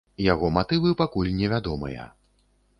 Яго матывы пакуль не вядомыя.